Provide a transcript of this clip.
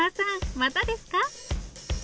またですか？